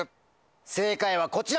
正解はこちら！